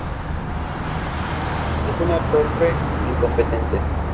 Es una torpe incompetente.